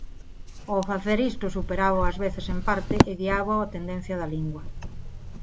Ó facer isto superábao ás veces en parte e guiábao a tendencia da lingua.